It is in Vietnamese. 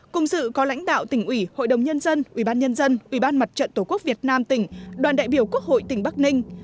cùng sự có lãnh đạo tỉnh ủy hội đồng nhân dân ubnd ubnd mặt trận tổ quốc việt nam tỉnh đoàn đại biểu quốc hội tỉnh bắc ninh